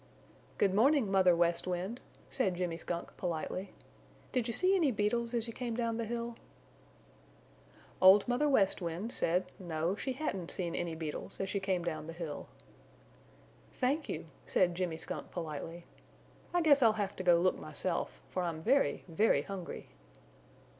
"Good morning, Mother West Wind," said Jimmy Skunk, politely. "Did you see any beetles as you came down the hill?" Old Mother West Wind said, no, she hadn't seen any beetles as she came down the hill. "Thank you," said Jimmy Skunk politely. "I guess I'll have to go look myself, for I'm very, very hungry."